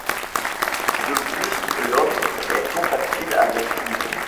De plus l'homme est compatible avec Kylie.